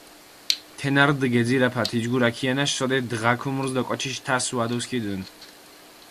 თენა რდჷ გეძირაფა თიჯგურა ქიანაშ, სოდეთ დღა ქუმურს დო კოჩიშ თასი ვადოსქიდუნ.